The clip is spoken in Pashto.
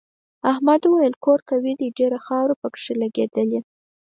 احمد وویل کور قوي دی ډېره خاوره پکې لگېدلې.